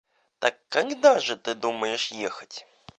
Так когда же ты думаешь ехать?